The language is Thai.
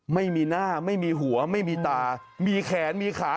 ไม่มีหน้าไม่มีหัวไม่มีตามีแขนมีขา